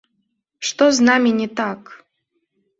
Што з намі не так?